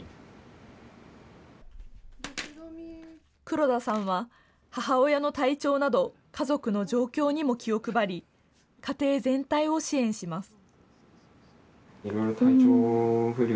黒田さんは母親の体調など家族の状況にも気を配り家庭全体を支援します。